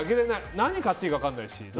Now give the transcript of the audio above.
何買っていいか分からないし。